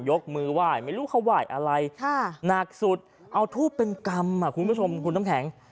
ยกมือไหว้ไม่รู้เขาไหว้อะไรหนักสุดเอาทูบเป็นกรรมคุณผู้ชมคุณน้ำแข็ง